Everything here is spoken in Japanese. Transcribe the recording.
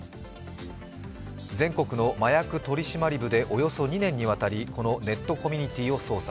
全国の麻薬取締部でおよそ２年にわたり、このネットコミュニティーを捜査。